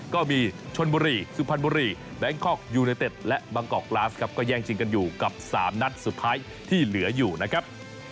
ก็มีชนบุรีสุพรรณบุรีแบงคอกยูเนเต็ดและบางกอกกลาฟครับก็แย่งชิงกันอยู่กับ๓นัดสุดท้ายที่เหลืออยู่นะครับ